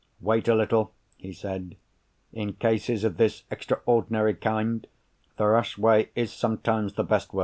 "Wait a little," he said. "In cases of this extraordinary kind, the rash way is sometimes the best way."